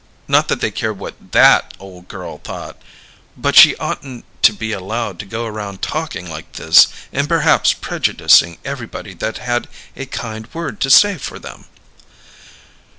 Not that they cared what that ole girl thought but she oughtn't to be allowed to go around talking like this and perhaps prejudicing everybody that had a kind word to say for them.